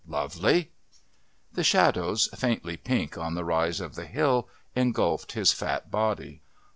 "Lovely." The shadows, faintly pink on the rise of the hill, engulfed his fat body.